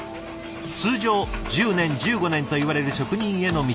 通常１０年１５年といわれる職人への道。